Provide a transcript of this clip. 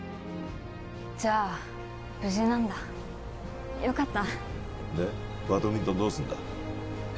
じゃあ無事なんだよかったでバドミントンどうすんだ？